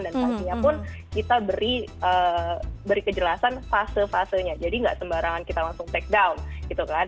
dan sanksinya pun kita beri kejelasan fase fasenya jadi nggak sembarangan kita langsung take down gitu kan